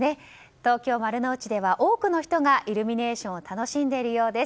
東京・丸の内では多くの人がイルミネーションを楽しんでいるようです。